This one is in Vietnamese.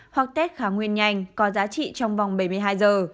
hoặc tết khá nguyên nhanh có giá trị trong vòng bảy mươi hai giờ